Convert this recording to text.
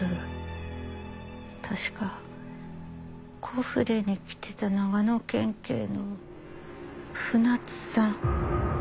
確かコフレに来てた長野県警の船津さん。